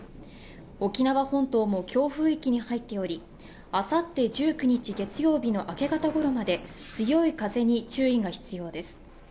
沖縄本島も強風域に入っており、あさって１９日、月曜日の明け方ごろまで強い風に注意が必要です。